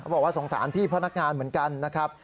บอกว่าสงสารพี่พนักงานเหมือนกันนะครับ